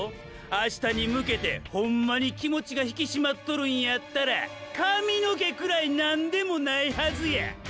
明日に向けてホンマに気持ちが引き締まっとるんやったら髪の毛くらい何でもないはずや。